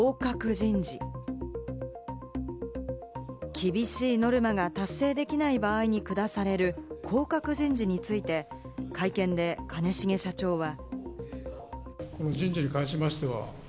厳しいノルマが達成できない場合にくだされる降格人事について、会見で兼重社長は。